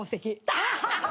アハハハ！